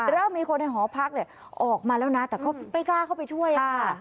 เริ่มมีคนในหอพักเนี่ยออกมาแล้วนะแต่ก็ไม่กล้าเข้าไปช่วยค่ะ